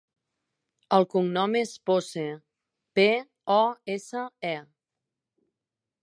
El cognom és Pose: pe, o, essa, e.